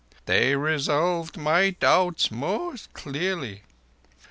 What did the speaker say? They resolved my doubts most clearly.